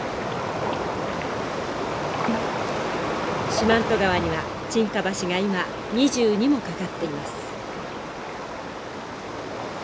四万十川には沈下橋が今２２も架かっています。